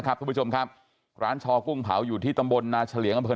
ทุกผู้ชมครับร้านชอกุ้งเผาอยู่ที่ตำบลนาเฉลียงอำเภอ